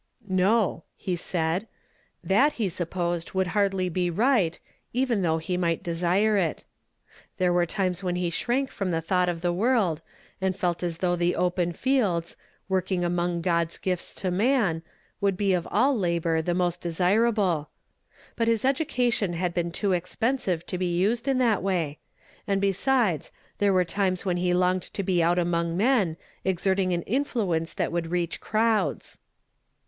"Xo," he said; that, he suppose<l, would hardly be right, vwu though he might desire it. There were times when he shrank from the thought of the world, and felt as though the open fields, working among God's gifts to man, would be of "WHO HATH BKLIKVED OUR REPORT?" 97 all labor tho most dcsirablo. liut his education liad hotMi loo oxptMisive to be used in that way, and besides, there were times when he longed to be out among men, exerting an influence that would reach crowds.